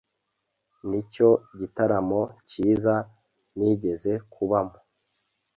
Nicyo gitaramo cyiza nigeze kubamo